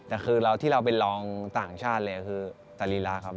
แต่คือที่เราเป็นรองต่างชาติเลยคือตารีระครับ